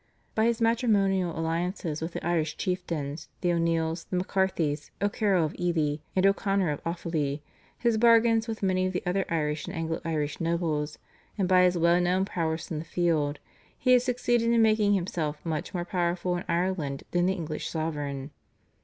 By his matrimonial alliances with the Irish chieftains, the O'Neills, the MacCarthys, O'Carroll of Ely, and O'Connor of Offaly, his bargains with many of the other Irish and Anglo Irish nobles, and by his well known prowess in the field, he had succeeded in making himself much more powerful in Ireland than the English sovereign.